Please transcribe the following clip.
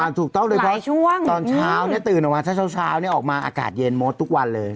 อ่าถูกต้องเลยเพราะตอนเช้าถ้าเช้าออกมาอากาศเย็นหมดทุกวันเลย